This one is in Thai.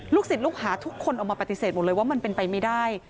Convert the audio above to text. ศิษย์ลูกหาทุกคนออกมาปฏิเสธหมดเลยว่ามันเป็นไปไม่ได้